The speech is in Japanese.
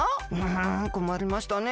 んこまりましたね。